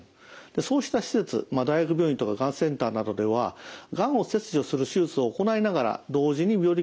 そうした施設大学病院とかがんセンターなどではがんを切除する手術を行いながら同時に病理検査を行うこともできます。